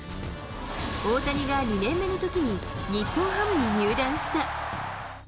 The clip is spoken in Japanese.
大谷が２年目のときに日本ハムに入団した。